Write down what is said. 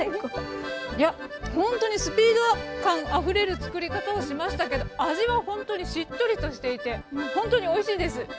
いやほんとにスピード感あふれる作り方をしましたけど味はほんとにしっとりとしていてほんとにおいしいです。